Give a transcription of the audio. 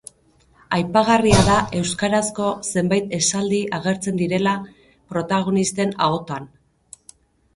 Aipagarria da euskarazko zenbait esaldi agertzen direla protagonisten ahotan.